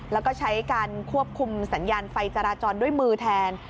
แล้วก็ใช้การควบคุมสัญญาณไฟจราจรด้วยมือแทน